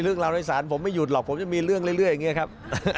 เรื่องราวในศาลผมไม่หยุดหรอกผมจะมีเรื่องเรื่อยอย่างนี้ครับ